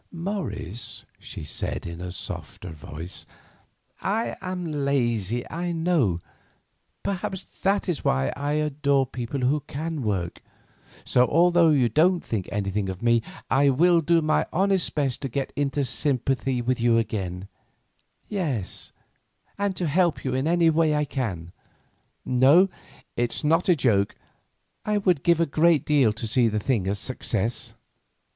"Morris," she said, in a softer voice, "I am lazy, I know. Perhaps that is why I adore people who can work. So, although you don't think anything of me, I will do my honest best to get into sympathy with you again; yes, and to help in any way I can. No; it's not a joke. I would give a great deal to see the thing a success."